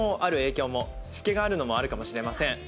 湿気があるのもあるかもしれません。